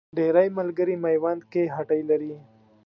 ډېری ملګري میوند کې هټۍ لري.